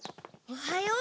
おはよう。